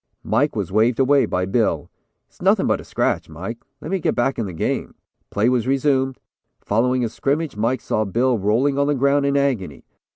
Mike was waved away by Bill. 'It's nothing but a scratch, Mike, let me get back in the game.' Play was resumed. Following a scrimmage, Mike saw Bill rolling on the ground in agony.